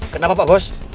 kenapa pak bos